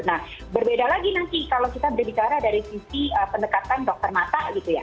nah berbeda lagi nanti kalau kita berbicara dari sisi pendekatan dokter mata gitu ya